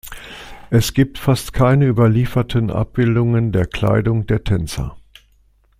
Es gibt fast keine überlieferten Abbildungen der Kleidung der Tänzer.